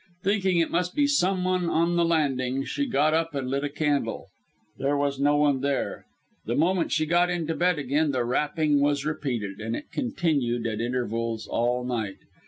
Thinking it must be some one on the landing, she got up and lit a candle. There was no one there. The moment she got into bed again, the rapping was repeated, and it continued, at intervals, all night.